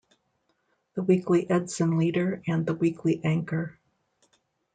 The weekly "Edson Leader" and "The Weekly Anchor".